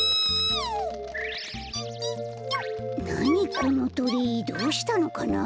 このとりどうしたのかな？